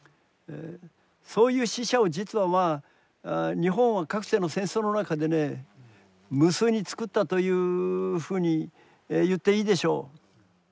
そういう死者を実はまあ日本はかつての戦争の中でね無数につくったというふうに言っていいでしょう。